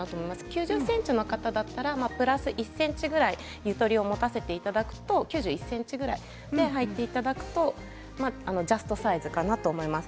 ９０ｃｍの方だったらプラス１ｃｍぐらいゆとりを持たせていただくと９１ｃｍぐらいではいていただくとジャストサイズかなと思います。